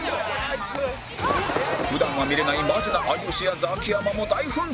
普段は見れないマジな有吉やザキヤマも大奮闘